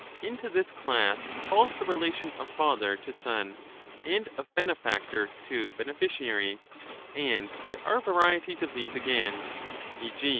Into this class falls the relation of father to son and of benefactor to beneficiary ; and there are varieties of these again, e. g.